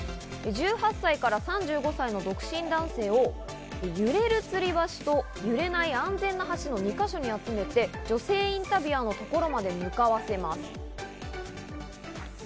１８歳から３５歳の独身男性を揺れるつり橋と揺れない安全な橋の２か所に集めて、女性インタビュアーのところまで向かわせます。